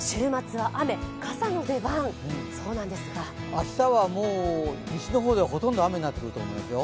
明日はもう西の方ではほとんど雨になってると思いますよ。